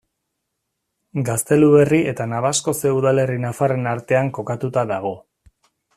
Gazteluberri eta Nabaskoze udalerri nafarren artean kokatuta dago.